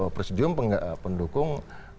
presidium pendukung dua ribu sembilan belas